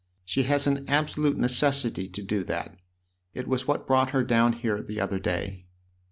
She has an absolute necessity to do that it was what brought her down here the other day."